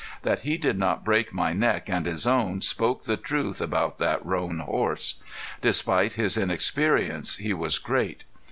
That he did not break my neck and his own spoke the truth about that roan horse. Despite his inexperience he was great.